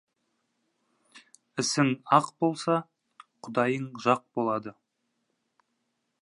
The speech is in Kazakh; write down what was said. Ісің ақ болса, Құдайың жақ болады.